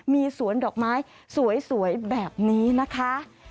มีสวนดอกไม้สวยแบบนี้นะคะ